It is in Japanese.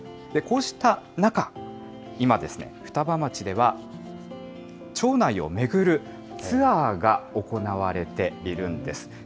こうした中、今ですね、双葉町では、町内を巡るツアーが行われているんです。